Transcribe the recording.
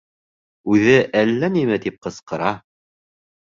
Үҙе әллә нимә тип ҡысҡыра.